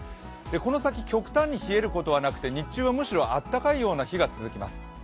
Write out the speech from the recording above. この先、極端に冷えることはなくて日中はむしろあったかいような日が続きます。